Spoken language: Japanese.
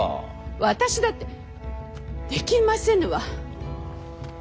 私だってできませぬわ。